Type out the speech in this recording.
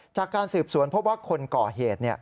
จากการสืบสวนเพราะว่าคนก่อเหตุ